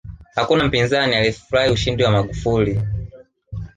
hakuna mpinzani aliyefurahia ushindi wa magufuli